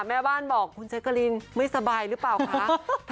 แม่บ้านบอกคุณแจ๊กกะลินไม่สบายหรือเปล่าคะ